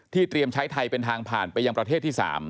เตรียมใช้ไทยเป็นทางผ่านไปยังประเทศที่๓